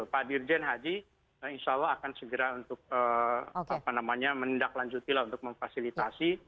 pak dirjen haji insya allah akan segera untuk apa namanya mendaklanjuti lah untuk memfasilitasi